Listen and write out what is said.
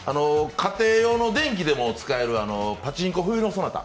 家庭用の電気でも使えるパチンコ・冬のソナタ。